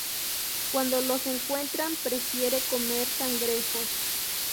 Cuando los encuentran, prefieren comer cangrejos.